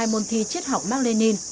hai môn thi triết học mark lenin